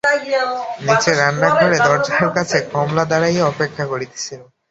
নীচে রান্নাঘরে দরজার কাছে কমলা দাঁড়াইয়া অপেক্ষা করিতেছিল।